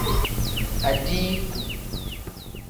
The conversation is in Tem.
Adiiku.